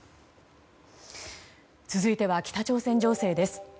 続いては、北朝鮮情勢です。